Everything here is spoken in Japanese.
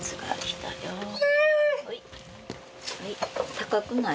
高くない？